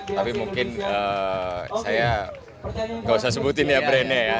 tapi mungkin saya nggak usah sebutin ya brandnya ya